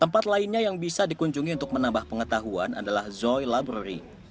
tempat lainnya yang bisa dikunjungi untuk menambah pengetahuan adalah zoy labrary